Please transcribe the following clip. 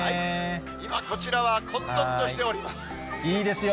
今、こちらは混とんとしておいいですよ。